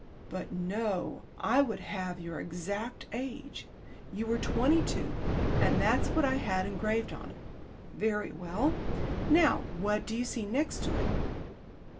But no, I would have your exact age. You were twenty two and that's what I had engraved on it. Very well. Now what do you see next to it?"